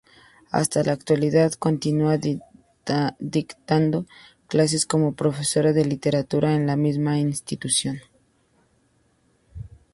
Hasta la actualidad continúa dictando clases como profesora de Literatura en la misma institución.